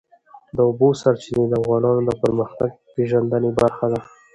د اوبو سرچینې د افغانانو د فرهنګي پیژندنې برخه ده.